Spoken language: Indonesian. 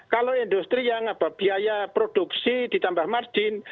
kalau industri yang biaya produksi ditambah margin